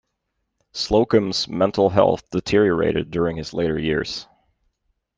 Slocum's mental health deteriorated during his later years.